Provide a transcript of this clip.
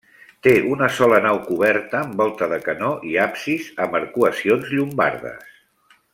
Té una sola nau coberta amb volta de canó i absis amb arcuacions llombardes.